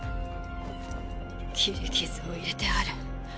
切り傷を入れてある。